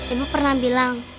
ibu pernah bilang